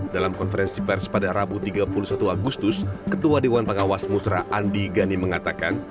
dalam konferensi pers pada rabu tiga puluh satu agustus ketua dewan pengawas musra andi gani mengatakan